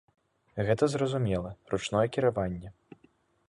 Гэта зразумела, ручное кіраванне.